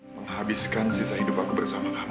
menghabiskan sisa hidup aku bersama kami